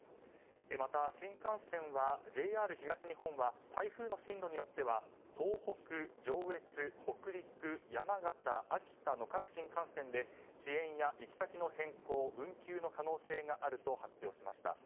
また新幹線はＪＲ東日本は台風の進路によっては東北、上越、北陸、山形、秋田の各新幹線で遅延や行先の変更運休の可能性があると発表しました。